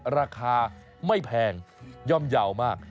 ราคาไม่แพงย่อมเยาว์มาก